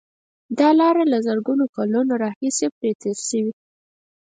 دا لاره له زرګونو کلونو راهیسې پرې تېر شوي.